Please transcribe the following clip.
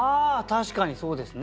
確かにそうですね。